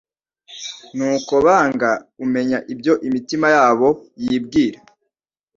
Nuko banga umenya ibyo imitima yabo yibwira.